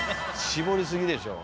絞りすぎでしょ。